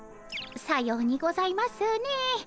さようにございますねえ。